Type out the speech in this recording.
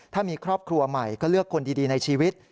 ถ้ามีครอบครัวใหม่ก็เลือกคนดีในชีวิต